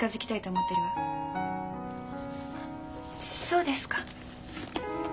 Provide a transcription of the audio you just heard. そうですか。